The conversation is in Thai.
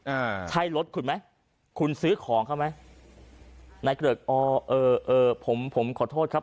อ่าใช่รถคุณไหมคุณซื้อของเขาไหมนายเกริกอ๋อเอ่อเอ่อผมผมขอโทษครับ